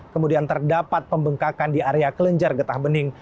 kemudian terdapat pembengkakan di area kelenjar getah bening